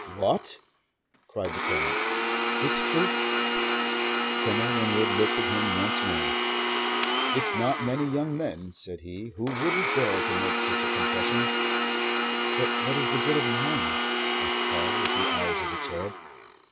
"What?" cried the Colonel. "It's true." Colonel Winwood looked at him once more. "It's not many young men," said he, "who would dare to make such a confession." "But what is the good of lying?" asked Paul, with the eyes of a cherub.